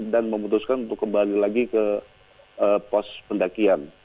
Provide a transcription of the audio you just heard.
dan memutuskan untuk kembali lagi ke pos pendakian